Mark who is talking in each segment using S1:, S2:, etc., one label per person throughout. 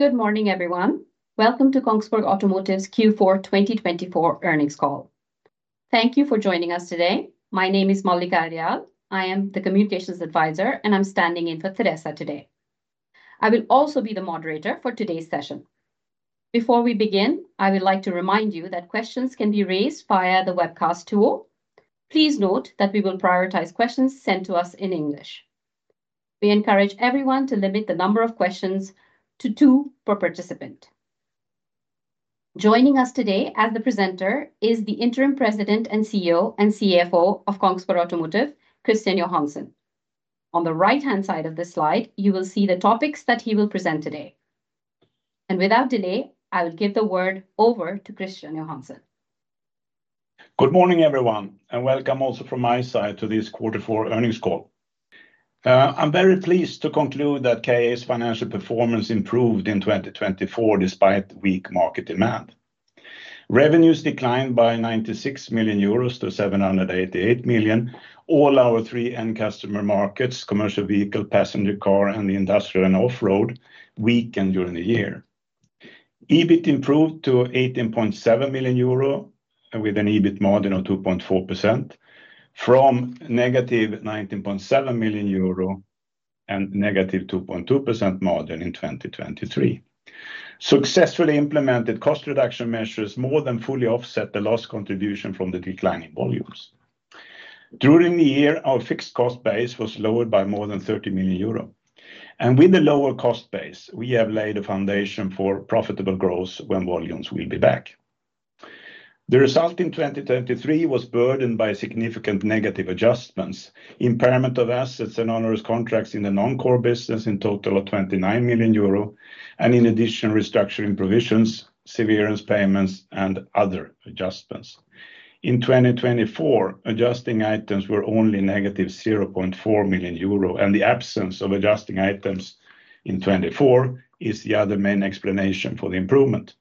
S1: Good morning, everyone. Welcome to Kongsberg Automotive Q4 2024 Earnings Call. Thank you for joining us today. My name is Mallika Aryal. I am the Communications Advisor, and I'm standing in for Therese today. I will also be the moderator for today's session. Before we begin, I would like to remind you that questions can be raised via the webcast tool. Please note that we will prioritize questions sent to us in English. We encourage everyone to limit the number of questions to two per participant. Joining us today as the presenter is the Interim President and CEO and CFO of Kongsberg Automotive, Christian Johansson. On the right-hand side of this slide, you will see the topics that he will present today. And without delay, I will give the word over to Christian Johansson.
S2: Good morning, everyone, and welcome also from my side to this Q4 Earnings Call. I'm very pleased to conclude that KA's financial performance improved in 2024 despite weak market demand. Revenues declined by 96 million euros to 788 million. All our three end customer markets, commercial vehicle, passenger car, and the industrial and off-road, weakened during the year. EBIT improved to 18.7 million euro with an EBIT margin of 2.4% from negative 19.7 million euro and negative 2.2% margin in 2023. So successfully implemented cost reduction measures more than fully offset the loss contribution from the declining volumes. During the year, our fixed cost base was lowered by more than 30 million euro. With the lower cost base, we have laid a foundation for profitable growth when volumes will be back. The result in 2023 was burdened by significant negative adjustments, impairment of assets and onerous contracts in the non-core business in total of 29 million euro, and in addition, restructuring provisions, severance payments, and other adjustments. In 2024, adjusting items were only negative 0.4 million euro, and the absence of adjusting items in 2024 is the other main explanation for the improvement.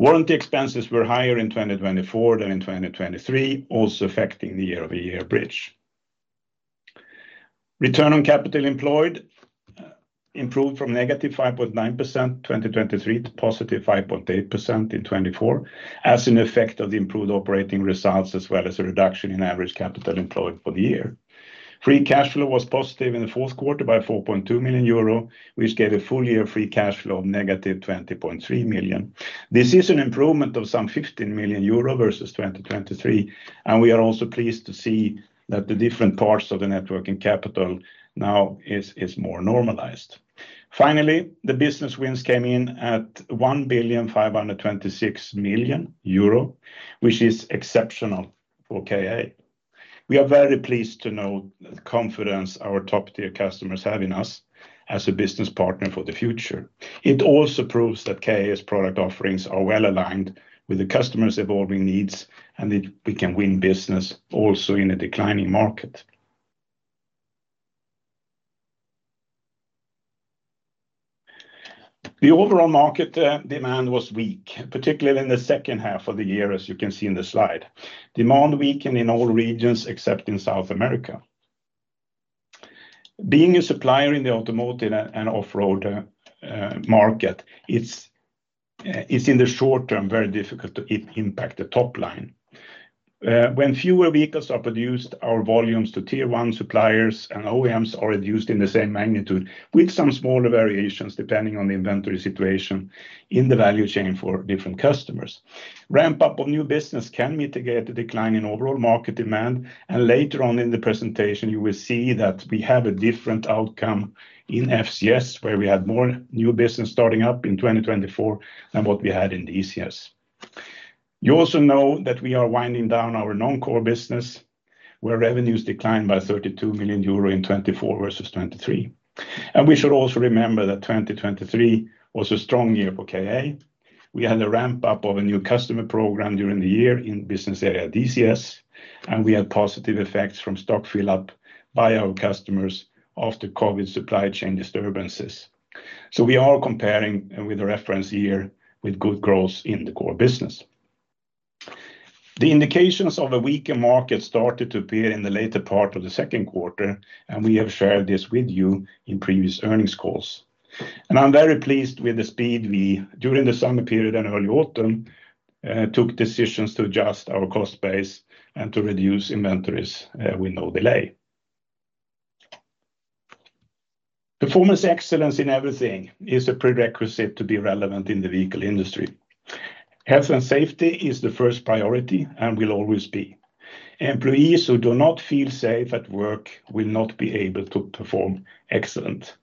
S2: Warranty expenses were higher in 2024 than in 2023, also affecting the year-over-year bridge. Return on capital employed improved from negative 5.9% in 2023 to positive 5.8% in 2024, as an effect of the improved operating results as well as a reduction in average capital employed for the year. Free cash flow was positive in the fourth quarter by 4.2 million euro, which gave a full-year free cash flow of negative 20.3 million. This is an improvement of some 15 million euro versus 2023, and we are also pleased to see that the different parts of the net working capital now are more normalized. Finally, the business wins came in at 1,526 million euro, which is exceptional for KA. We are very pleased to know the confidence our top-tier customers have in us as a business partner for the future. It also proves that KA's product offerings are well aligned with the customers' evolving needs, and we can win business also in a declining market. The overall market demand was weak, particularly in the second half of the year, as you can see in the slide. Demand weakened in all regions except in South America. Being a supplier in the automotive and off-road market, it's it's in the short term very difficult to impact the top line. When fewer vehicles are produced, our volumes to tier one suppliers and OEMs are reduced in the same magnitude, with some smaller variations depending on the inventory situation in the value chain for different customers. Ramp-up of new business can mitigate the decline in overall market demand, and later on in the presentation, you will see that we have a different outcome in FCS, where we had more new business starting up in 2024 than what we had in these years. You also know that we are winding down our non-core business, where revenues declined by 32 million euro in 2024 versus 2023. And we should also remember that 2023 was a strong year for KA. We had a ramp-up of a new customer program during the year in business area DCS, and we had positive effects from stock fill-up by our customers after COVID supply chain disturbances. So we are comparing with a reference year with good growth in the core business. The indications of a weaker market started to appear in the later part of the second quarter, and we have shared this with you in previous Earnings Calls. I'm very pleased with the speed we, during the summer period and early autumn, took decisions to adjust our cost base and to reduce inventories with no delay. Performance excellence in everything is a prerequisite to be relevant in the vehicle industry. Health and safety is the first priority and will always be. Employees who do not feel safe at work will not be able to perform excellent.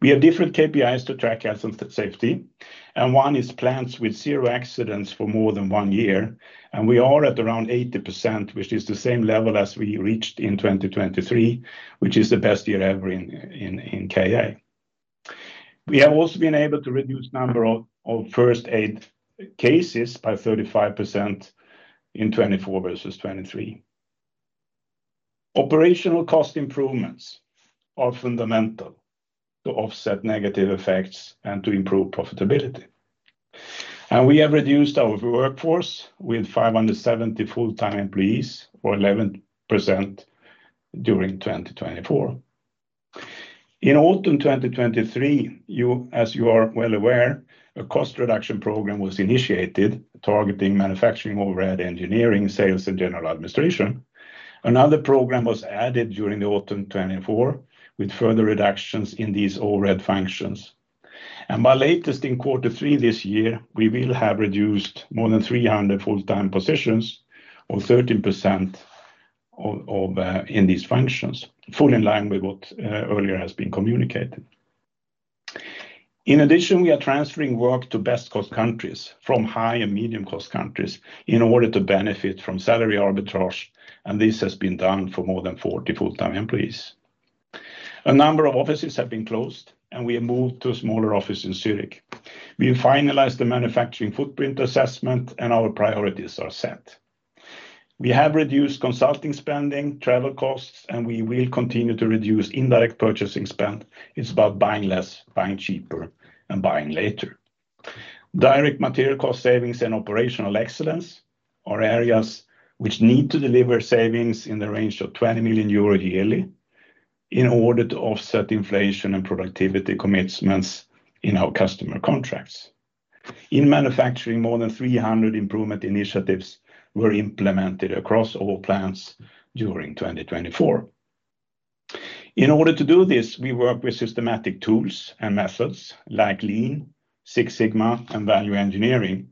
S2: We have different KPIs to track health and safety, and one is plants with zero accidents for more than one year, and we are at around 80%, which is the same level as we reached in 2023, which is the best year ever in KA. We have also been able to reduce the number of first-aid cases by 35% in 2024 versus 2023. Operational cost improvements are fundamental to offset negative effects and to improve profitability. And we have reduced our workforce with 570 full-time employees for 11% during 2024. In autumn 2023, as you are well aware, a cost reduction program was initiated targeting manufacturing overhead, engineering, sales, and general administration. Another program was added during autumn 2024 with further reductions in these overhead functions. And by latest in quarter three this year, we will have reduced more than 300 full-time positions or 13% in these functions, fully in line with what earlier has been communicated. In addition, we are transferring work to best-cost countries from high and medium-cost countries in order to benefit from salary arbitrage, and this has been done for more than 40 full-time employees. A number of offices have been closed, and we have moved to a smaller office in Zürich. We have finalized the manufacturing footprint assessment, and our priorities are set. We have reduced consulting spending, travel costs, and we will continue to reduce indirect purchasing spend. It's about buying less, buying cheaper, and buying later. Direct material cost savings and operational excellence are areas which need to deliver savings in the range of 20 million euro yearly in order to offset inflation and productivity commitments in our customer contracts. In manufacturing, more than 300 improvement initiatives were implemented across all plants during 2024. In order to do this, we work with systematic tools and methods like Lean, Six Sigma, and Value Engineering.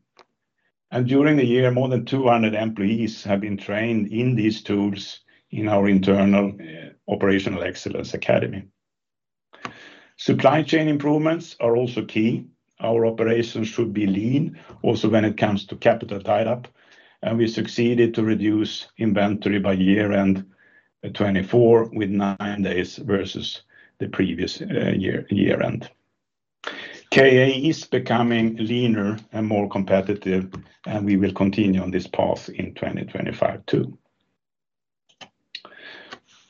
S2: And during the year, more than 200 employees have been trained in these tools in our internal Operational Excellence Academy. Supply chain improvements are also key. Our operations should be lean also when it comes to capital tie-up, and we succeeded to reduce inventory by year-end 2024 with nine days versus the previous year-end. KA is becoming leaner and more competitive, and we will continue on this path in 2025 too.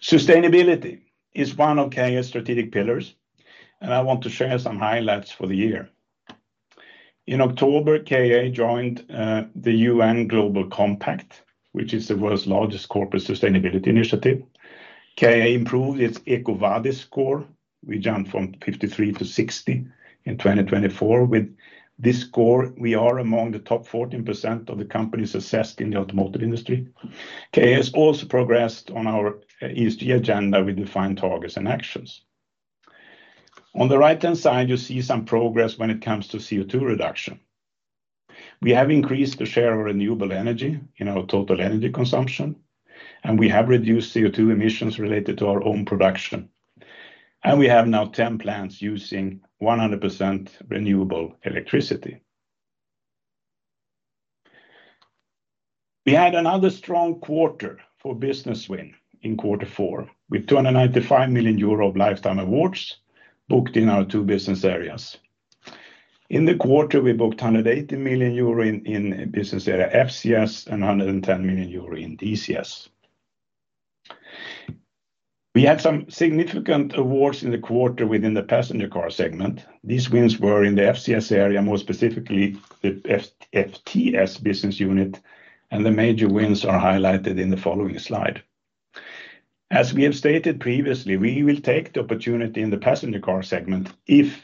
S2: Sustainability is one of KA's strategic pillars, and I want to share some highlights for the year. In October, KA joined the UN Global Compact, which is the world's largest corporate sustainability initiative. KA improved its EcoVadis score. We jumped from 53 to 60 in 2024. With this score, we are among the top 14% of the companies assessed in the automotive industry. KA has also progressed on our ESG agenda with defined targets and actions. On the right-hand side, you see some progress when it comes to CO2 reduction. We have increased the share of renewable energy in our total energy consumption, and we have reduced CO2 emissions related to our own production. And we have now 10 plants using 100% renewable electricity. We had another strong quarter for business win in quarter four with 295 million euro of lifetime awards booked in our two business areas. In the quarter, we booked 180 million euro in business area FCS and 110 million euro in DCS. We had some significant awards in the quarter within the passenger car segment. These wins were in the FCS area, more specifically the FTS business unit, and the major wins are highlighted in the following slide. As we have stated previously, we will take the opportunity in the passenger car segment if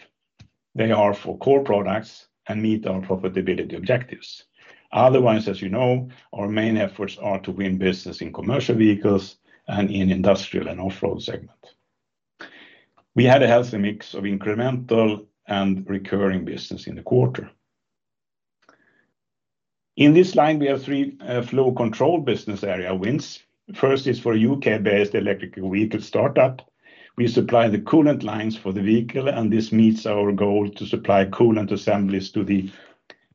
S2: they are for core products and meet our profitability objectives. Otherwise, as you know, our main efforts are to win business in commercial vehicles and in the industrial and off-road segment. We had a healthy mix of incremental and recurring business in the quarter. In this line, we have three flow control business area wins. First is for a U.K.-based electric vehicle startup. We supply the coolant lines for the vehicle, and this meets our goal to supply coolant assemblies to the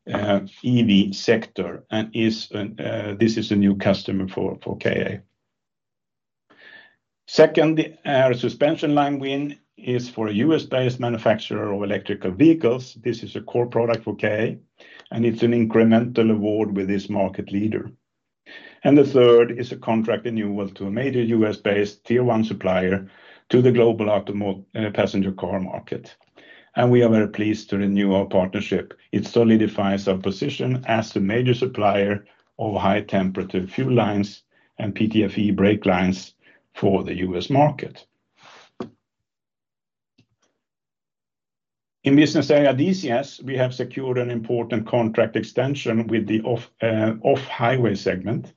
S2: EV sector, and this, this is a new customer for for KA. Second, our suspension line win is for a U.S.-based manufacturer of electrical vehicles. This is a core product for KA, and it's an incremental award with this market leader. And the third is a contract renewal to a major US-based tier one supplier to the global automotive passenger car market. And we are very pleased to renew our partnership. It solidifies our position as a major supplier of high-temperature fuel lines and PTFE brake lines for the US market. In business area DCS, we have secured an important contract extension with the off-highway segment.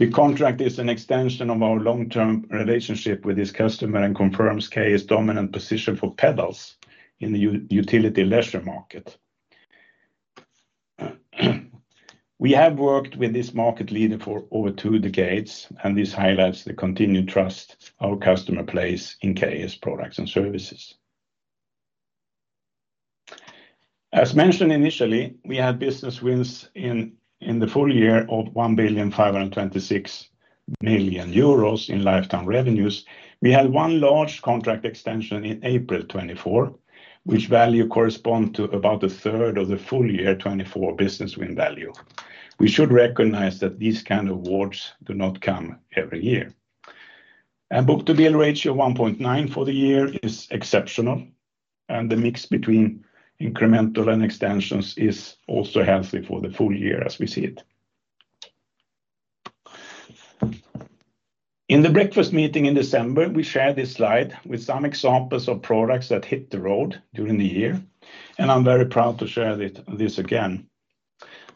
S2: The contract is an extension of our long-term relationship with this customer and confirms KA's dominant position for pedals in the utility leisure market. We have worked with this market leader for over two decades, and this highlights the continued trust our customer places in KA's products and services. As mentioned initially, we had business wins in in the full year of 1,526 million euros in lifetime revenues. We had one large contract extension in April 2024, which value corresponds to about a third of the full year 2024 business win value. We should recognize that these kinds of awards do not come every year. And the book-to-bill ratio 1.9 for the year is exceptional, and the mix between incremental and extensions is also healthy for the full year as we see it. In the breakfast meeting in December, we shared this slide with some examples of products that hit the road during the year, and I'm very proud to share this again.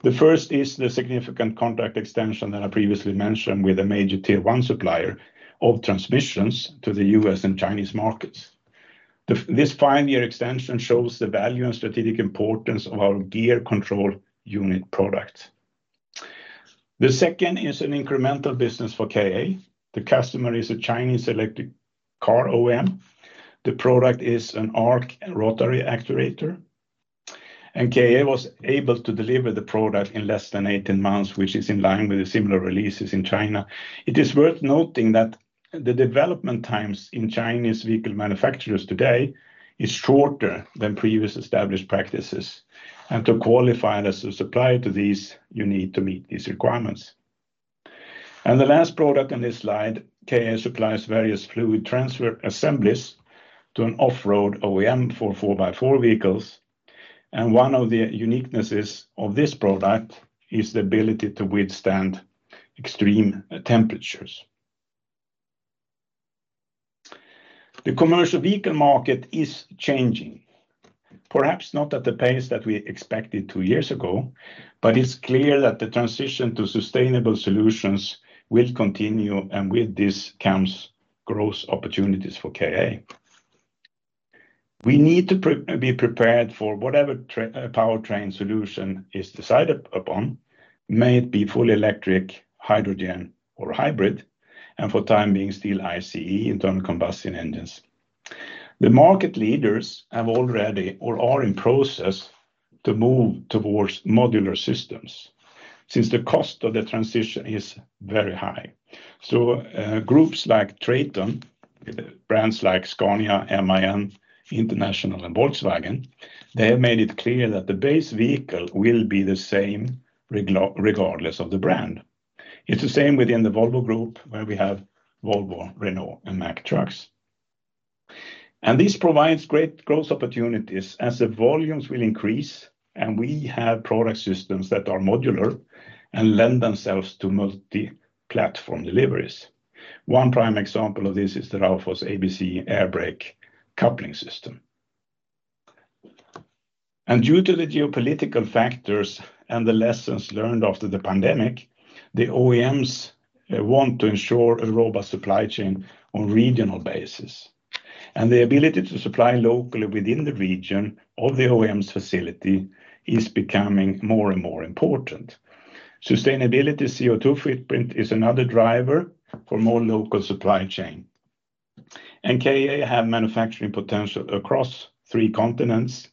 S2: The first is the significant contract extension that I previously mentioned with a major tier one supplier of transmissions to the U.S. and Chinese markets. This five-year extension shows the value and strategic importance of our gear control unit product. The second is an incremental business for KA. The customer is a Chinese electric car OEM. The product is an ARC rotary actuator, and KA was able to deliver the product in less than 18 months, which is in line with similar releases in China. It is worth noting that the development times in Chinese vehicle manufacturers today is shorter than previous established practices, and to qualify as a supplier to these, you need to meet these requirements. And the last product on this slide, KA supplies various fluid transfer assemblies to an off-road OEM for four-by-four vehicles, and one of the uniquenesses of this product is the ability to withstand extreme temperatures. The commercial vehicle market is changing, perhaps not at the pace that we expected two years ago, but it is clear that the transition to sustainable solutions will continue, and with this comes growth opportunities for KA. We need to be prepared for whatever powertrain solution is decided upon, may it be fully electric, hydrogen, or hybrid, and for the time being, still ICE internal combustion engines. The market leaders have already or are in process to move towards modular systems since the cost of the transition is very high. So groups like Traton, brands like Scania, MAN, International, and Volkswagen, they have made it clear that the base vehicle will be the same regardless of the brand. It is the same within the Volvo Group where we have Volvo, Renault, and Mack trucks. This provides great growth opportunities as the volumes will increase, and we have product systems that are modular and lend themselves to multi-platform deliveries. One prime example of this is the Raufoss ABC air brake coupling system. And due to the geopolitical factors and the lessons learned after the pandemic, the OEMs want to ensure a robust supply chain on a regional basis, and the ability to supply locally within the region of the OEM's facility is becoming more and more important. Sustainability CO2 footprint is another driver for more local supply chain. And KA has manufacturing potential across three continents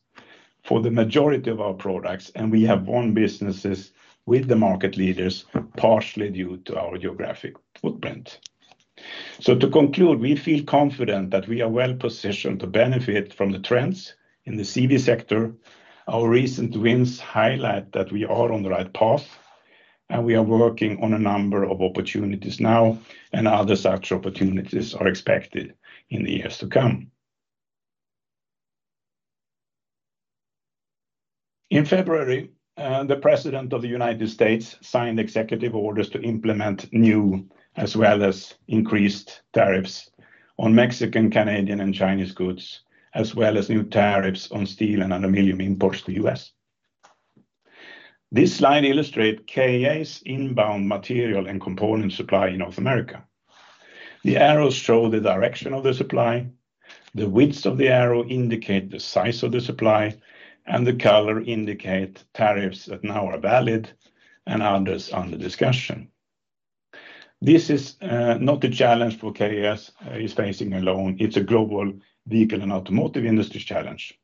S2: for the majority of our products, and we have won businesses with the market leaders partially due to our geographic footprint. So to conclude, we feel confident that we are well positioned to benefit from the trends in the CV sector. Our recent wins highlight that we are on the right path, and we are working on a number of opportunities now, and other such opportunities are expected in the years to come. In February, the President of the United States signed executive orders to implement new as well as increased tariffs on Mexican, Canadian, and Chinese goods, as well as new tariffs on steel and aluminum imports to the U.S. This slide illustrates KA's inbound material and component supply in North America. The arrows show the direction of the supply. The width of the arrow indicates the size of the supply, and the color indicates tariffs that now are valid and others under discussion. This is not a challenge for KA as it is facing alone. It is a global vehicle and automotive industry challenge.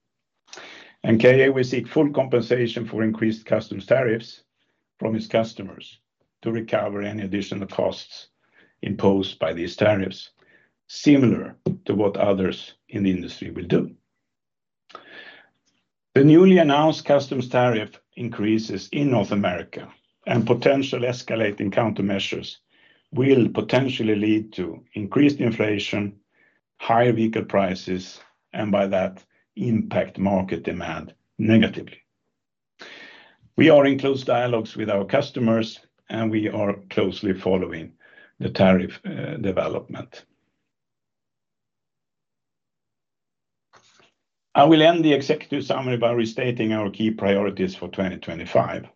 S2: And KA will seek full compensation for increased customs tariffs from its customers to recover any additional costs imposed by these tariffs, similar to what others in the industry will do. The newly announced customs tariff increases in North America and potential escalating countermeasures will potentially lead to increased inflation, higher vehicle prices, and by that, impact market demand negatively. We are in close dialogues with our customers, and we are closely following the tariff development. I will end the executive summary by restating our key priorities for 2025.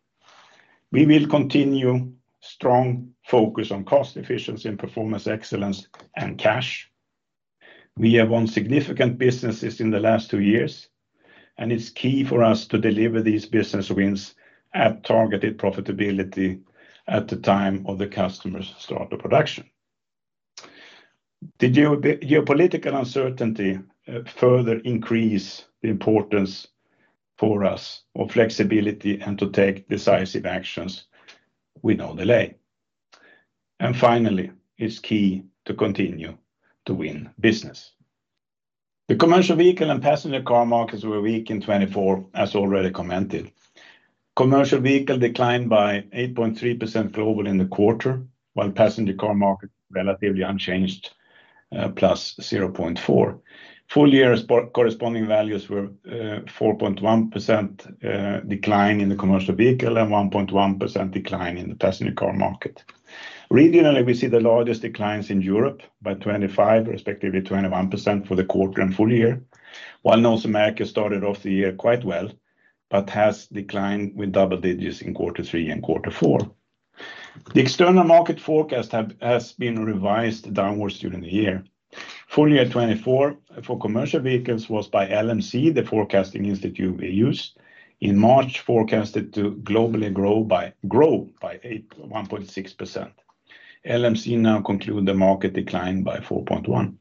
S2: We will continue strong focus on cost efficiency and performance excellence and cash. We have won significant businesses in the last two years, and it's key for us to deliver these business wins at targeted profitability at the time of the customer's start of production. The geopolitical uncertainty further increases the importance for us of flexibility and to take decisive actions with no delay. And finally, it's key to continue to win business. The commercial vehicle and passenger car markets were weak in 2024, as already commented. Commercial vehicle declined by 8.3% globally in the quarter, while passenger car market relatively unchanged, plus 0.4%. Full year corresponding values were 4.1% decline in the commercial vehicle and 1.1% decline in the passenger car market. Regionally, we see the largest declines in Europe by 25%, respectively 21% for the quarter and full year, while North America started off the year quite well but has declined with double digits in quarter three and quarter four. The external market forecast has been revised downwards during the year. Full year 2024 for commercial vehicles was by LMC, the forecasting institute we use, in March forecasted to globally grow by 1.6%. LMC now concluded the market decline by 4.1%.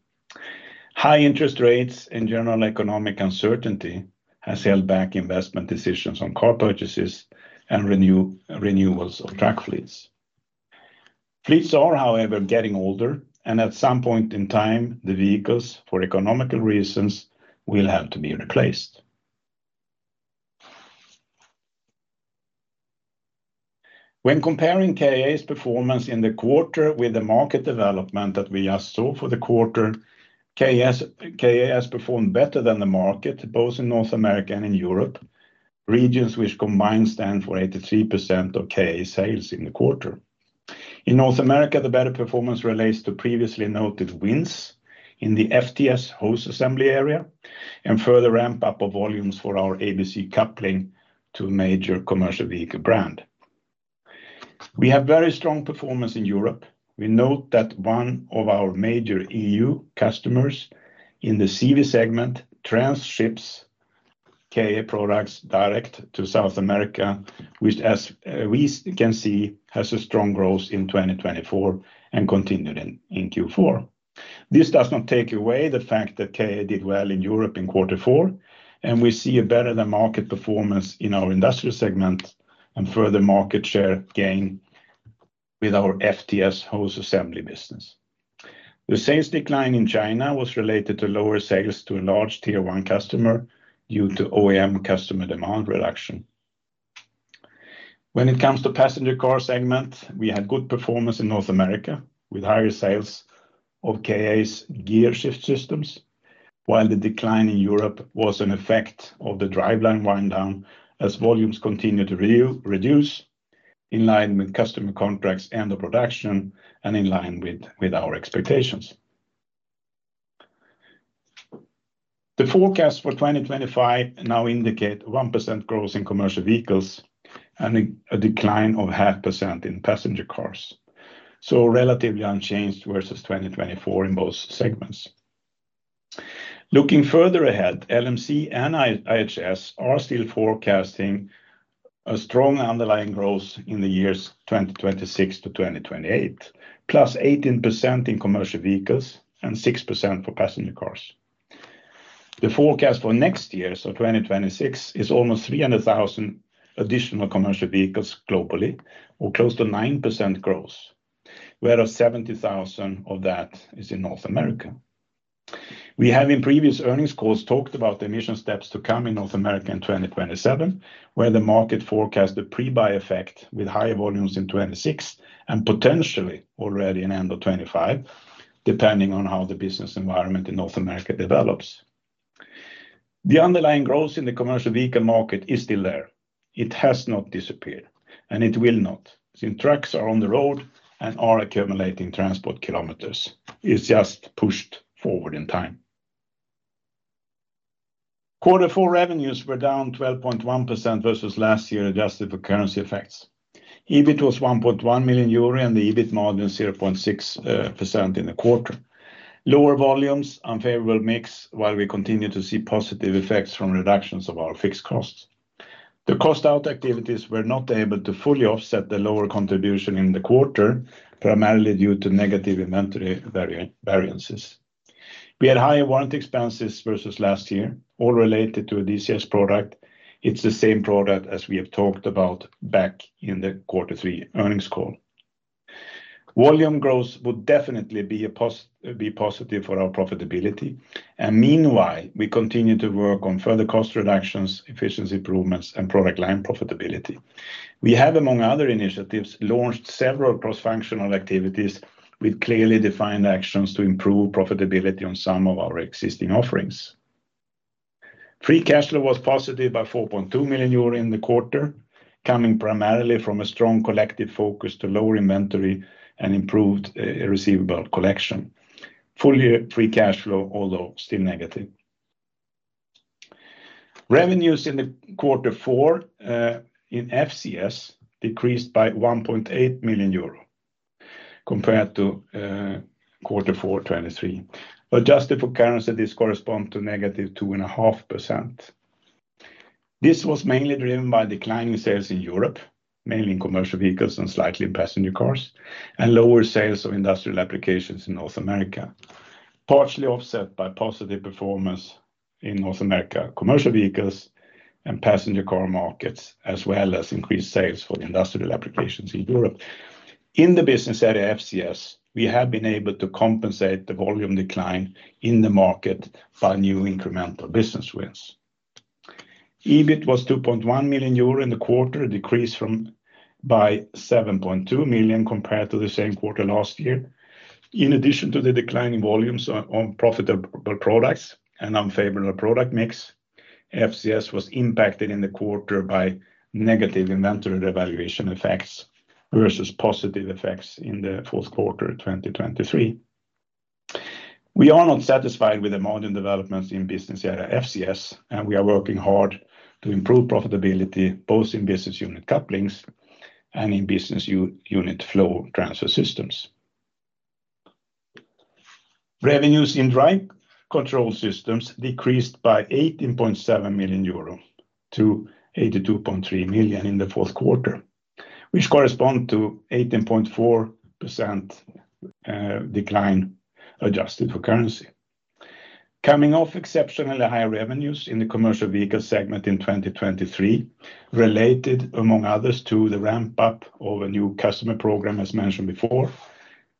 S2: High interest rates and general economic uncertainty has held back investment decisions on car purchases and renewals of truck fleets. Fleets are, however, getting older, and at some point in time, the vehicles for economical reasons will have to be replaced. When comparing KA's performance in the quarter with the market development that we just saw for the quarter, KA KA has performed better than the market, both in North America and in Europe regions, which combined stand for 83% of KA's sales in the quarter. In North America, the better performance relates to previously noted wins in the FTS hose assembly area and further ramp-up of volumes for our ABC coupling to a major commercial vehicle brand. We have very strong performance in Europe. We note that one of our major EU customers in the CV segment transships KA products direct to South America, which, as we can see, has a strong growth in 2024 and continued in Q4. This does not take away the fact that KA did well in Europe in quarter four, and we see a better than market performance in our industrial segment and further market share gain with our FTS hose assembly business. The sales decline in China was related to lower sales to a large tier one customer due to OEM customer demand reduction. When it comes to passenger car segment, we had good performance in North America with higher sales of KA's gear shift systems, while the decline in Europe was an effect of the driveline wind-down as volumes continued to reduce in line with customer contracts end of production and in line with our expectations. The forecast for 2025 now indicates 1% growth in commercial vehicles and a decline of 0.5% in passenger cars, so relatively unchanged versus 2024 in both segments. Looking further ahead, LMC and IHS are still forecasting a strong underlying growth in the years 2026 to 2028, plus 18% in commercial vehicles and 6% for passenger cars. The forecast for next year, so 2026, is almost 300,000 additional commercial vehicles globally, or close to 9% growth, whereas 70,000 of that is in North America. We have, in previous Earnings Calls, talked about the emission steps to come in North America in 2027, where the market forecasts the pre-buy effect with high volumes in 2026 and potentially already in the end of 2025, depending on how the business environment in North America develops. The underlying growth in the commercial vehicle market is still there. It has not disappeared, and it will not. Since trucks are on the road and are accumulating transport kilometers, it's just pushed forward in time. Quarter four revenues were down 12.1% versus last year, adjusted for currency effects. EBIT was 1.1 million euro, and the EBIT margin was 0.6% in the quarter. Lower volumes, unfavorable mix, while we continue to see positive effects from reductions of our fixed costs. The cost-out activities were not able to fully offset the lower contribution in the quarter, primarily due to negative inventory variances. We had higher warranty expenses versus last year, all related to a DCS product. It's the same product as we have talked about back in the quarter three Earnings Call. Volume growth would definitely be positive for our profitability, and meanwhile, we continue to work on further cost reductions, efficiency improvements, and product line profitability. We have, among other initiatives, launched several cross-functional activities with clearly defined actions to improve profitability on some of our existing offerings. Free cash flow was positive by 4.2 million euro in the quarter, coming primarily from a strong collective focus to lower inventory and improved receivable collection. Fully free cash flow, although still negative. Revenues in the quarter four in FCS decreased by 1.8 million euro compared to quarter four 2023. Adjusted for currency, this corresponds to negative 2.5%. This was mainly driven by declining sales in Europe, mainly in commercial vehicles and slightly in passenger cars, and lower sales of industrial applications in North America, partially offset by positive performance in North America commercial vehicles and passenger car markets, as well as increased sales for the industrial applications in Europe. In the business area FCS, we have been able to compensate the volume decline in the market by new incremental business wins. EBIT was 2.1 million euro in the quarter, a decrease by 7.2 million compared to the same quarter last year. In addition to the declining volumes on profitable products and unfavorable product mix, FCS was impacted in the quarter by negative inventory revaluation effects versus positive effects in the fourth quarter 2023. We are not satisfied with the modern developments in business area FCS, and we are working hard to improve profitability both in business unit couplings and in business unit flow transfer systems. Revenues in Drive Control Systems decreased by 18.7 million euro to 82.3 million in the fourth quarter, which corresponds to 18.4% decline adjusted for currency. Coming off exceptionally high revenues in the commercial vehicle segment in 2023, related among others to the ramp-up of a new customer program, as mentioned before,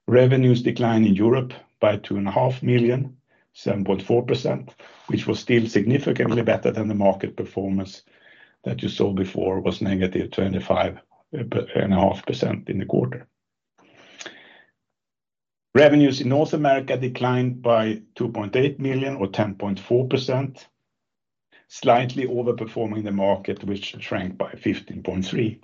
S2: revenues declined in Europe by 2.5 million, 7.4%, which was still significantly better than the market performance that you saw before was negative 25.5% in the quarter. Revenues in North America declined by 2.8 million or 10.4%, slightly overperforming the market, which shrank by 15.3%.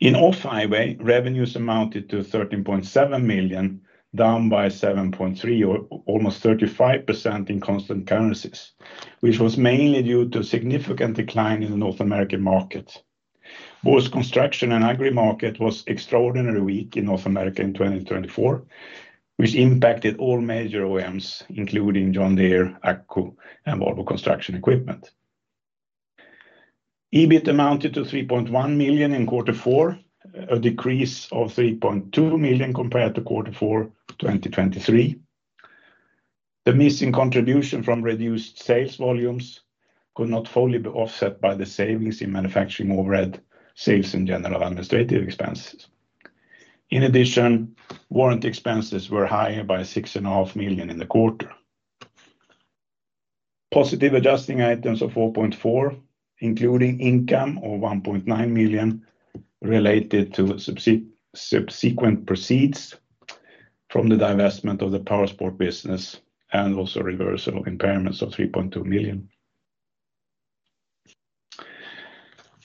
S2: In off-highway, revenues amounted to 13.7 million, down by 7.3%, or almost 35% in constant currencies, which was mainly due to a significant decline in the North American market. Both construction and agri-market was extraordinarily weak in North America in 2024, which impacted all major OEMs, including John Deere, AGCO, and Volvo Construction Equipment. EBIT amounted to 3.1 million in quarter four, a decrease of 3.2 million compared to quarter four 2023. The missing contribution from reduced sales volumes could not fully be offset by the savings in manufacturing overhead, sales, and general administrative expenses. In addition, warranty expenses were higher by 6.5 million in the quarter. Positive adjusting items of 4.4 million, including income of 1.9 million related to subsequent proceeds from the divestment of the Powersports business, and also reversal of impairments of 3.2 million.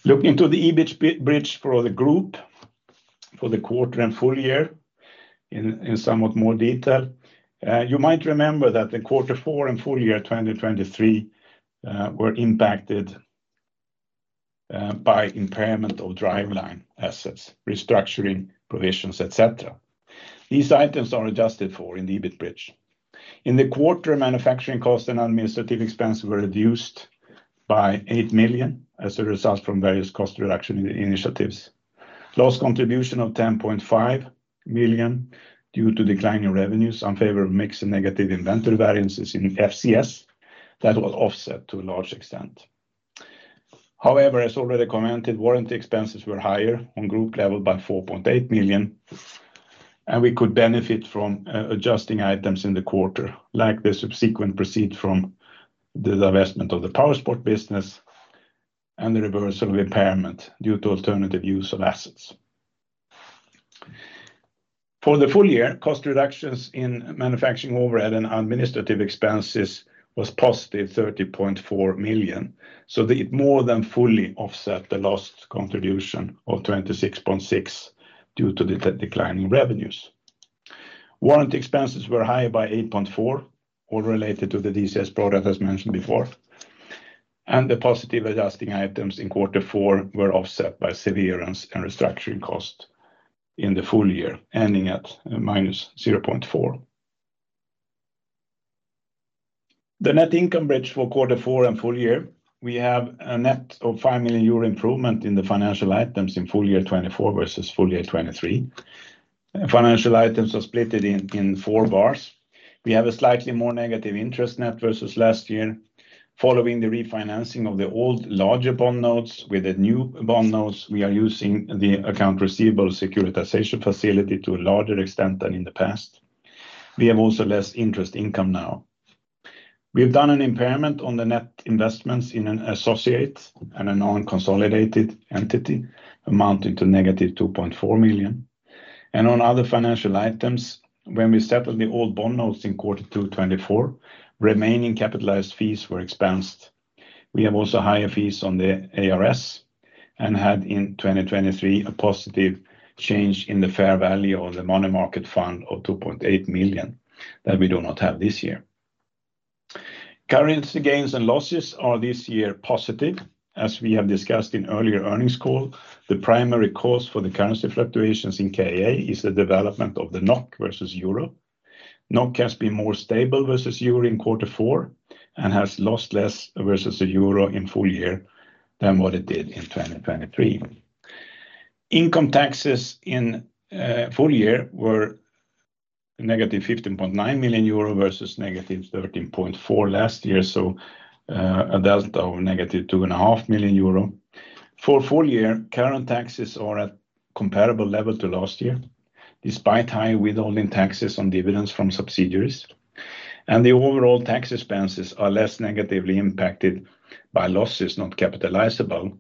S2: Looking to the EBIT bridge for the group for the quarter and full year in somewhat more detail, you might remember that the quarter four and full year 2023 were impacted by impairment of driveline assets, restructuring provisions, etc. These items are adjusted for in the EBIT bridge. In the quarter, manufacturing costs and administrative expenses were reduced by 8 million as a result from various cost reduction initiatives. Loss contribution of 10.5 million due to declining revenues in favor of mixed and negative inventory variances in FCS that was offset to a large extent. However, as already commented, warranty expenses were higher on group level by 4.8 million, and we could benefit from adjusting items in the quarter, like the subsequent proceeds from the divestment of the Powersports business and the reversal of impairment due to alternative use of assets. For the full year, cost reductions in manufacturing overhead and administrative expenses were positive 30.4 million, so it more than fully offset the lost contribution of 26.6% due to the declining revenues. Warranty expenses were higher by 8.4%, all related to the DCS product, as mentioned before, and the positive adjusting items in quarter four were offset by severance and restructuring costs in the full year, ending at minus 0.4%. The net income bridge for quarter four and full year, we have a net of 5 million euro improvement in the financial items in full year 2024 versus full year 2023. Financial items are split in four bars. We have a slightly more negative interest net versus last year. Following the refinancing of the old larger bond notes with the new bond notes, we are using the account receivable securitization facility to a larger extent than in the past. We have also less interest income now. We have done an impairment on the net investments in an associate and a non-consolidated entity amounting to negative 2.4 million. On other financial items, when we settled the old bond notes in quarter two 2024, remaining capitalized fees were expensed. We have also higher fees on the ARS and had in 2023 a positive change in the fair value of the money market fund of 2.8 million that we do not have this year. Currency gains and losses are this year positive. As we have discussed in earlier Earnings Call, the primary cause for the currency fluctuations in KA is the development of the NOK versus euro. NOK has been more stable versus euro in quarter four and has lost less versus the euro in full year than what it did in 2023. Income taxes in full year were negative 15.9 million euro versus negative 13.4 million last year, so a delta of negative 2.5 million euro. For full year, current taxes are at a comparable level to last year, despite high withholding taxes on dividends from subsidiaries. The overall tax expenses are less negatively impacted by losses not capitalizable,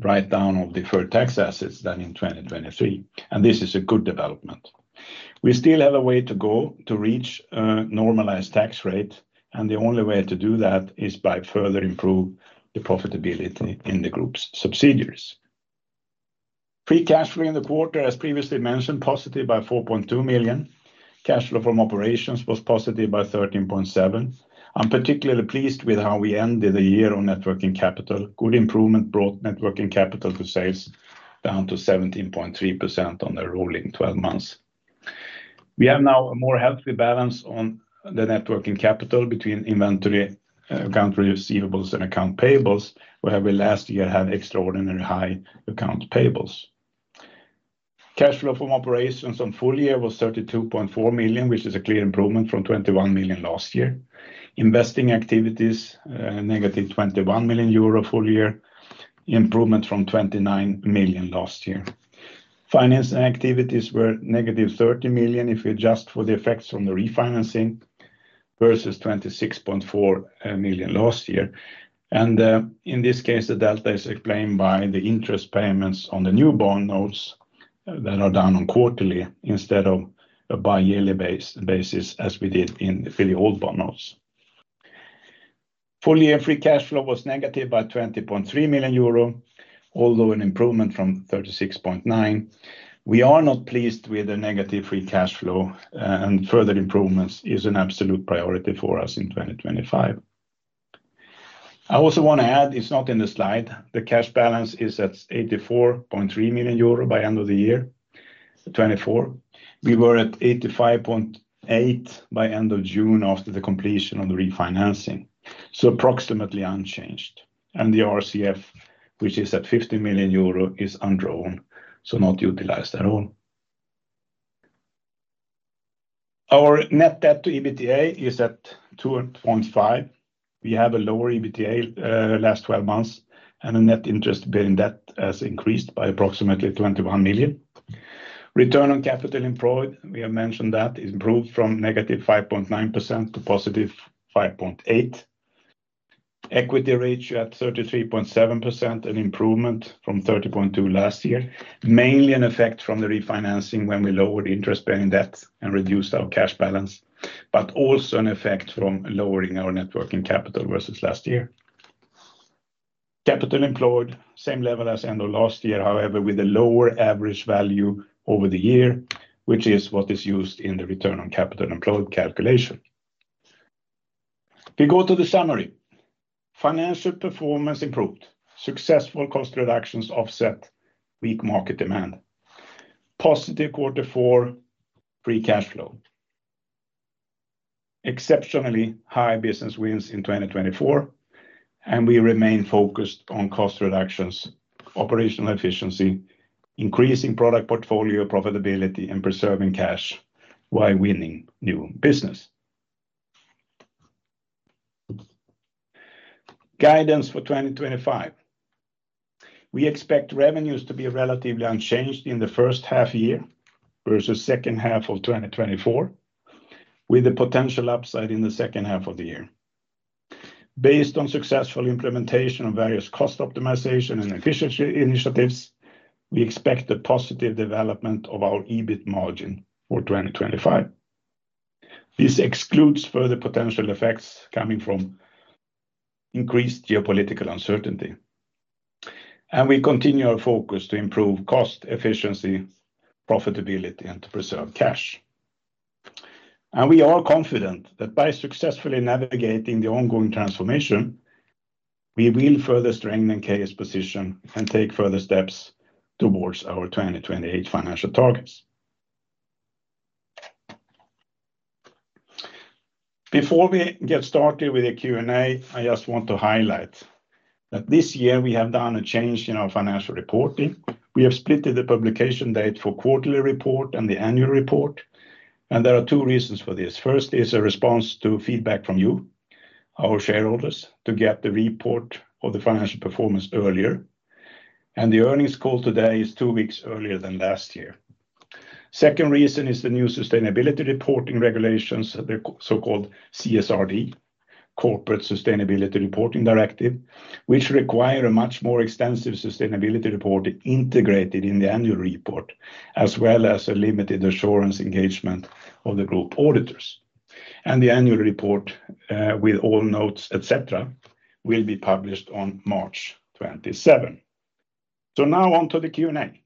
S2: right down of deferred tax assets, than in 2023. And this is a good development. We still have a way to go to reach a normalized tax rate, and the only way to do that is by further improving the profitability in the group's subsidiaries. Free cash flow in the quarter, as previously mentioned, positive by 4.2 million. Cash flow from operations was positive by 13.7 million. I'm particularly pleased with how we ended the year on working capital. Good improvement brought working capital to sales down to 17.3% on the rolling 12 months. We have now a more healthy balance on the working capital between inventory, account receivables, and account payables, where we last year had extraordinarily high account payables. Cash flow from operations on full year was 32.4 million, which is a clear improvement from 21 million last year. Investing activities, negative 21 million euro full year, improvement from 29 million last year. Financing activities were negative 30 million if you adjust for the effects from the refinancing versus 26.4 million last year. And in this case, the delta is explained by the interest payments on the new bond notes that are done on quarterly instead of bi-yearly basis as we did in the old bond notes. Full year free cash flow was negative by 20.3 million euro, although an improvement from 36.9 million. We are not pleased with the negative free cash flow, and further improvements is an absolute priority for us in 2025. I also want to add, it's not in the slide, the cash balance is at 84.3 million euro by end of the year, 2024. We were at 85.8 by end of June after the completion of the refinancing, so approximately unchanged. The RCF, which is at 15 million euro, is unwritten, so not utilized at all. Our net debt to EBITDA is at 2.5. We have a lower EBITDA last 12 months, and the net interest-bearing debt has increased by approximately 21 million. Return on capital employed, we have mentioned that, is improved from negative 5.9% to positive 5.8%. Equity ratio at 33.7%, an improvement from 30.2% last year, mainly an effect from the refinancing when we lowered interest-bearing debt and reduced our cash balance, but also an effect from lowering our working capital versus last year. Capital employed, same level as end of last year, however, with a lower average value over the year, which is what is used in the return on capital employed calculation. We go to the summary. Financial performance improved. Successful cost reductions offset weak market demand. Positive quarter four free cash flow. Exceptionally high business wins in 2024, and we remain focused on cost reductions, operational efficiency, increasing product portfolio profitability, and preserving cash while winning new business. Guidance for 2025. We expect revenues to be relatively unchanged in the first half year versus second half of 2024, with a potential upside in the second half of the year. Based on successful implementation of various cost optimization and efficiency initiatives, we expect a positive development of our EBIT margin for 2025. This excludes further potential effects coming from increased geopolitical uncertainty. And we continue our focus to improve cost efficiency, profitability, and to preserve cash. And we are confident that by successfully navigating the ongoing transformation, we will further strengthen KA's position and take further steps towards our 2028 financial targets. Before we get started with the Q&A, I just want to highlight that this year we have done a change in our financial reporting. We have split the publication date for Quarterly Report and the Annual Report. And there are two reasons for this. First is a response to feedback from you, our shareholders, to get the report of the financial performance earlier. And the Earnings Call today is two weeks earlier than last year. Second reason is the new sustainability reporting regulations, the so-called CSRD, Corporate Sustainability Reporting Directive, which require a much more extensive sustainability report integrated in the annual report, as well as a limited assurance engagement of the group auditors. And the Annual Report with all notes, etc., will be published on March 27. So now on to the Q&A.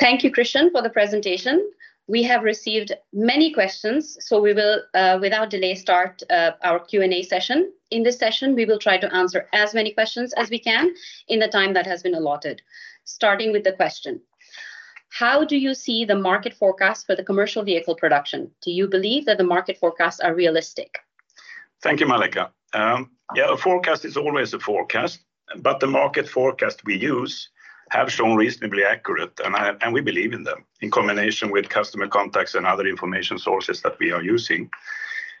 S1: Thank you, Christian, for the presentation. We have received many questions, so we will, without delay, start our Q&A session. In this session, we will try to answer as many questions as we can in the time that has been allotted. Starting with the question, how do you see the market forecast for the commercial vehicle production? Do you believe that the market forecasts are realistic?
S2: Thank you, Mallika. Yeah, a forecast is always a forecast, but the market forecast we use have shown reasonably accurate, and we believe in them in combination with customer contacts and other information sources that we are using.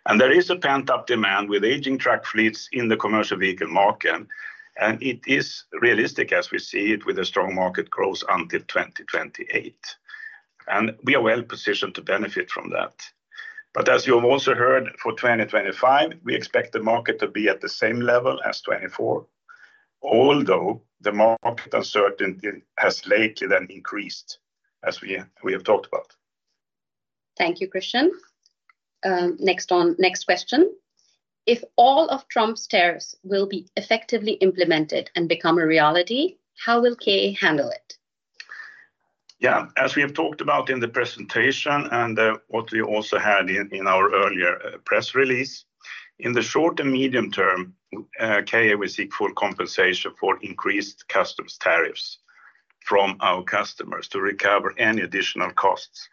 S2: And there is a pent-up demand with aging truck fleets in the commercial vehicle market, and it is realistic as we see it with a strong market growth until 2028. And we are well positioned to benefit from that. But as you have also heard, for 2025, we expect the market to be at the same level as 2024, although the market uncertainty has slightly then increased, as we have talked about.
S1: Thank you, Christian. Next on, next question. If all of Trump's tariffs will be effectively implemented and become a reality, how will KA handle it?
S2: Yeah, as we have talked about in the presentation and what we also had in our earlier press release, in the short and medium term, KA will seek full compensation for increased customs tariffs from our customers to recover any additional costs.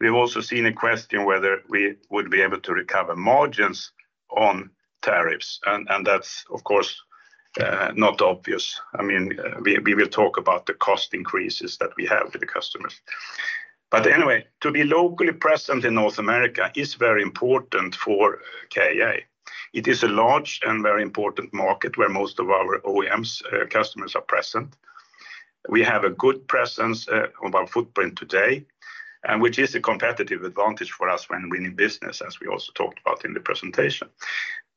S2: We have also seen a question whether we would be able to recover margins on tariffs, and that is, of course, not obvious. I mean, we will talk about the cost increases that we have with the customers. And anyway, to be locally present in North America is very important for KA. It is a large and very important market where most of our OEMs customers are present. We have a good presence of our footprint today, and which is a competitive advantage for us when winning business, as we also talked about in the presentation.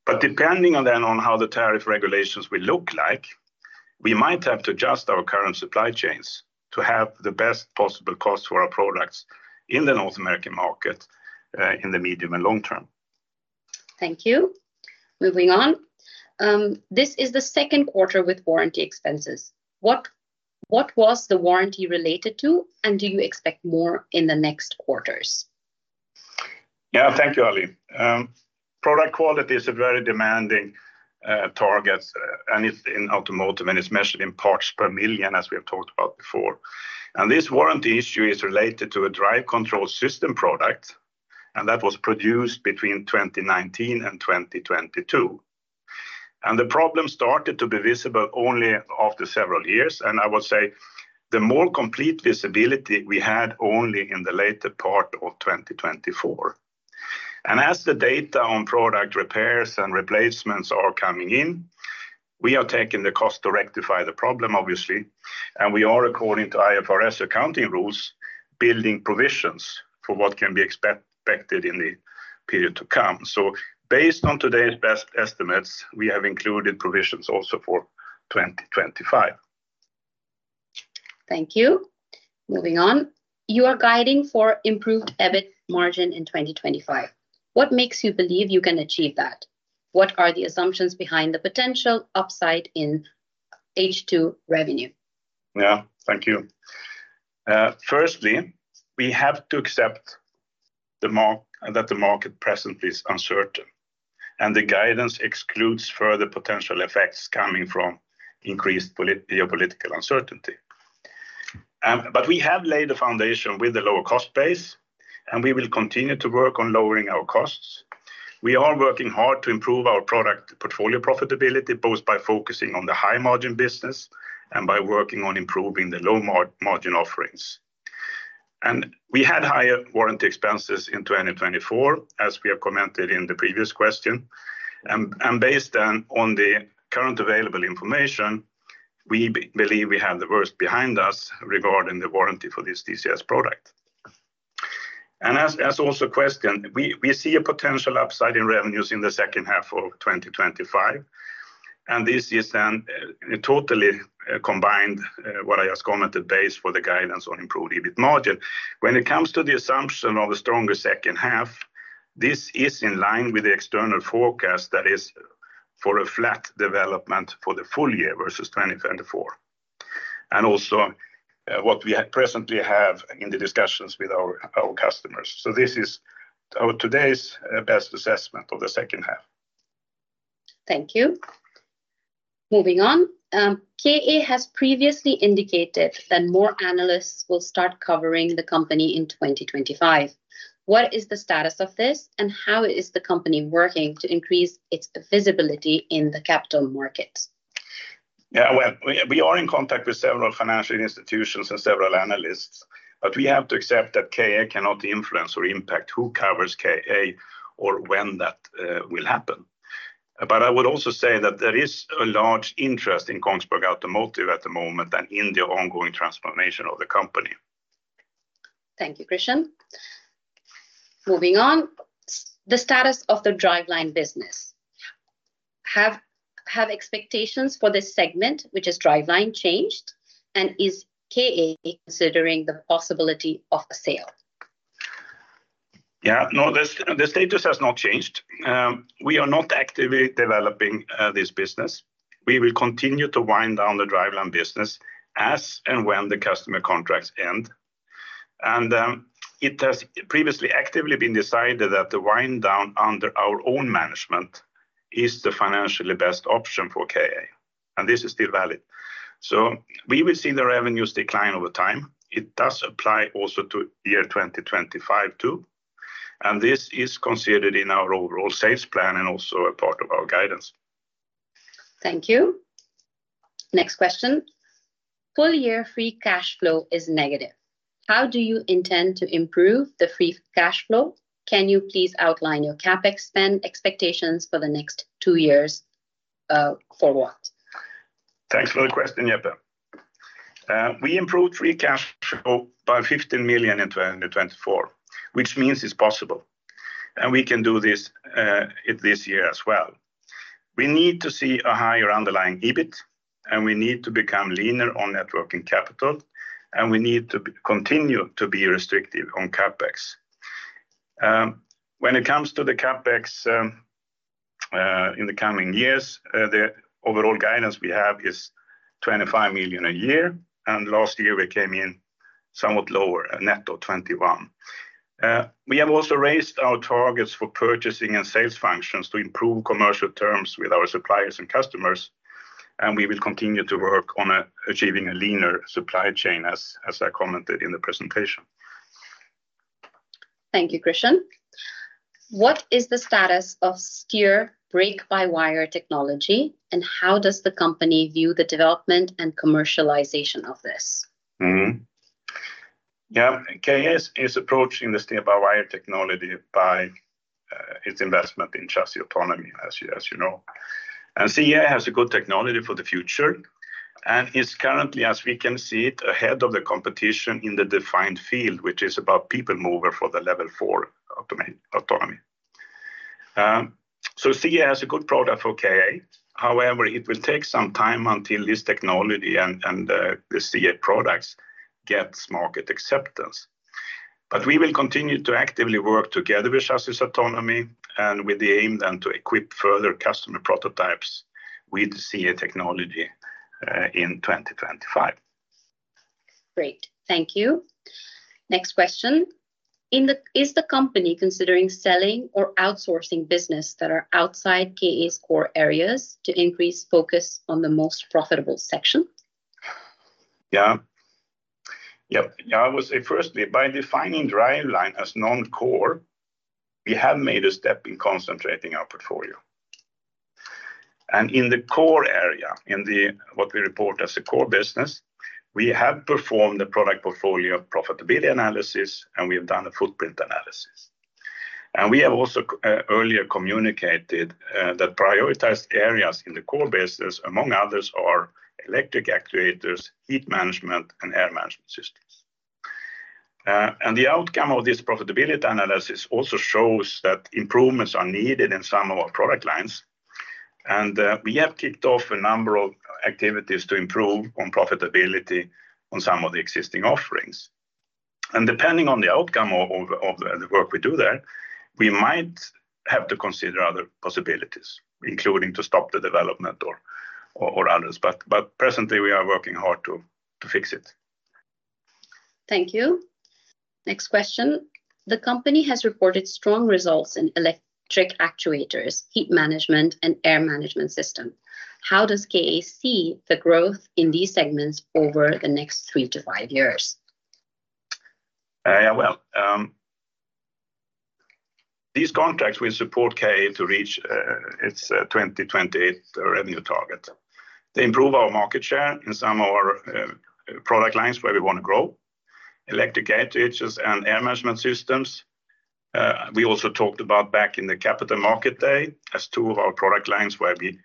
S2: But depending on how the tariff regulations will look like, we might have to adjust our current supply chains to have the best possible costs for our products in the North American market in the medium and long term.
S1: Thank you. Moving on. This is the second quarter with warranty expenses. What what was the warranty related to, and do you expect more in the next quarters?
S2: Yeah, thank you, Ali. Product quality is a very demanding target, and it's in automotive, and it's measured in parts per million, as we have talked about before. And this warranty issue is related to a drive control system product, and that was produced between 2019 and 2022. And the problem started to be visible only after several years, and I would say the more complete visibility we had only in the later part of 2024. And as the data on product repairs and replacements are coming in, we are taking the cost to rectify the problem, obviously, and we are, according to IFRS accounting rules, building provisions for what can be expected in the period to come. So based on today's best estimates, we have included provisions also for 2025.
S1: Thank you. Moving on. You are guiding for improved EBIT margin in 2025. What makes you believe you can achieve that? What are the assumptions behind the potential upside in H2 revenue?
S2: Yeah, thank you. Firstly, we have to accept that the market presently is uncertain, and the guidance excludes further potential effects coming from increased geopolitical uncertainty. But we have laid the foundation with the lower cost base, and we will continue to work on lowering our costs. We are working hard to improve our product portfolio profitability, both by focusing on the high margin business and by working on improving the low margin offerings. And we had higher warranty expenses in 2024, as we have commented in the previous question. And based on the current available information, we believe we have the worst behind us regarding the warranty for this DCS product. And as also questioned, we see a potential upside in revenues in the second half of 2025. And this is then totally combined with what I just commented based for the guidance on improved EBIT margin. When it comes to the assumption of a stronger second half, this is in line with the external forecast that is for a flat development for the full year versus 2024. And also, what we presently have in the discussions with our customers. So this is our today's best assessment of the second half.
S1: Thank you. Moving on. KA has previously indicated that more analysts will start covering the company in 2025. What is the status of this, and how is the company working to increase its visibility in the capital markets?
S2: Yeah, we are in contact with several financial institutions and several analysts, but we have to accept that KA cannot influence or impact who covers KA or when that will happen. But I would also say that there is a large interest in Kongsberg Automotive at the moment and in the ongoing transformation of the company.
S1: Thank you, Christian. Moving on. The status of the driveline business. Have have expectations for this segment, which is driveline, changed, and is KA considering the possibility of a sale?
S2: Yeah, no, the status has not changed. We are not actively developing this business. We will continue to wind down the driveline business as and when the customer contracts end. And it has previously actively been decided that the wind down under our own management is the financially best option for KA, and this is still valid. So we will see the revenues decline over time. It does apply also to year 2025 too, and this is considered in our overall sales plan and also a part of our guidance.
S1: Thank you. Next question. Full year free cash flow is negative. How do you intend to improve the free cash flow? Can you please outline your CapEx spend expectations for the next two years for what?
S2: Thanks for the question, Jeppe. We improved free cash flow by 15 million in 2024, which means it's possible, and we can do this this year as well. We need to see a higher underlying EBIT, and we need to become leaner on net working capital, and we need to continue to be restrictive on CapEx. When it comes to the CapEx in the coming years, the overall guidance we have is 25 million a year, and last year we came in somewhat lower, a net of 21 million. We have also raised our targets for purchasing and sales functions to improve commercial terms with our suppliers and customers, and we will continue to work on achieving a leaner supply chain, as I commented in the presentation.
S1: Thank you, Christian. What is the status of steer brake by wire technology, and how does the company view the development and commercialization of this?
S2: Yeah, KA is approaching the steer by wire technology by its investment in Kongsberg Chassis Autonomy, as you know. And CEA has a good technology for the future, and is currently, as we can see it, ahead of the competition in the defined field, which is about people mover for the level four autonomy. So CEA has a good product for KA. However, it will take some time until this technology and the CA products get market acceptance. But we will continue to actively work together with Kongsberg Chassis Autonomy and with the aim then to equip further customer prototypes with CA technology in 2025.
S1: Great. Thank you. Next question. Is the company considering selling or outsourcing business that are outside KA's core areas to increase focus on the most profitable section?
S2: Yeah. Yeah, I would say firstly, by defining driveline as non-core, we have made a step in concentrating our portfolio. And in the core area, in the what we report as a core business, we have performed the product portfolio profitability analysis, and we have done a footprint analysis. And wAnd e have also earlier communicated that prioritized areas in the core business, among others, are electric actuators, heat management, and air management systems. And the outcome of this profitability analysis also shows that improvements are needed in some of our product lines, and we have kicked off a number of activities to improve on profitability on some of the existing offerings. And depending on the outcome of the work we do there, we might have to consider other possibilities, including to stop the development or others. But presently, we are working hard to fix it.
S1: Thank you. Next question. The company has reported strong results in electric actuators, heat management, and air management system. How does KA see the growth in these segments over the next three to five years?
S2: Yeah, these contracts will support KA to reach its 2028 revenue target. They improve our market share in some of our product lines where we want to grow, electric actuators and air management systems. We also talked about back in the capital market day as two of our product lines where we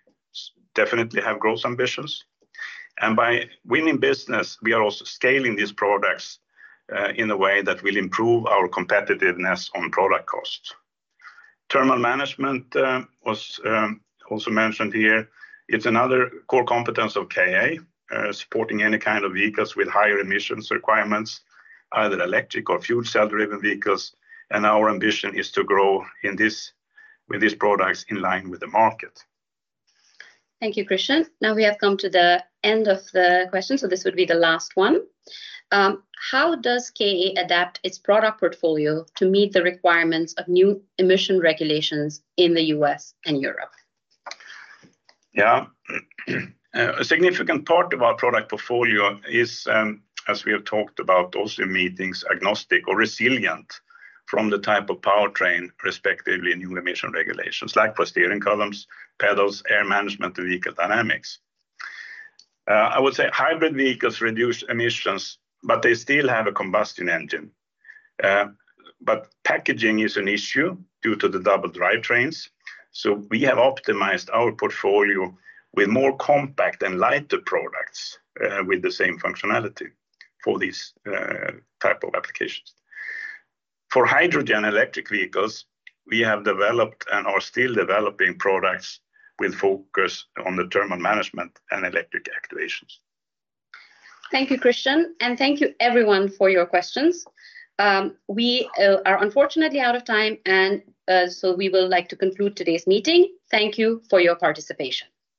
S2: definitely have growth ambitions. And by winning business, we are also scaling these products in a way that will improve our competitiveness on product cost. Thermal management was also mentioned here. It's another core competence of KA, supporting any kind of vehicles with higher emissions requirements, either electric or fuel cell-driven vehicles. And our ambition is to grow in this with these products in line with the market.
S1: Thank you, Christian. Now we have come to the end of the question, so this would be the last one. How does KA adapt its product portfolio to meet the requirements of new emission regulations in the U.S. and Europe?
S2: Yeah. A significant part of our product portfolio is, as we have talked about, also meetings agnostic or resilient from the type of powertrain, respectively, new emission regulations like for steering columns, pedals, air management, and vehicle dynamics. I would say hybrid vehicles reduce emissions, but they still have a combustion engine. But packaging is an issue due to the double drivetrains. So we have optimized our portfolio with more compact and lighter products with the same functionality for these types of applications. For hydrogen electric vehicles, we have developed and are still developing products with focus on the thermal management and electric activations.
S1: Thank you, Christian, and thank you everyone for your questions. We are unfortunately out of time, and so we would like to conclude today's meeting. Thank you for your participation.